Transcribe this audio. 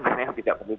mana yang tidak perlu di